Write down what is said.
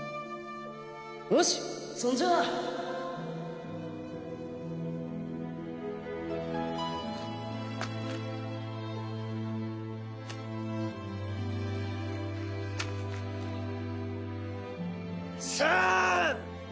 よしそんじゃあ３！